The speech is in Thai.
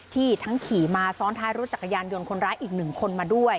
ทั้งขี่มาซ้อนท้ายรถจักรยานยนต์คนร้ายอีกหนึ่งคนมาด้วย